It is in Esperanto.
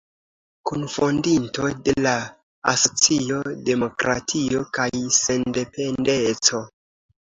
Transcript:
Kunfondinto de la asocio Demokratio kaj sendependeco.